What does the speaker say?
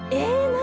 何？